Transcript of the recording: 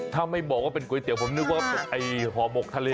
ถ้าไม่บอกว่าเป็นก๋วยเตี๋ยผมนึกว่าไอ้ห่อหมกทะเล